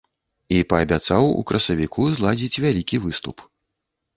І паабяцаў у красавіку зладзіць вялікі выступ.